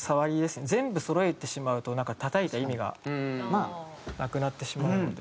全部そろえてしまうとたたいた意味がなくなってしまうので。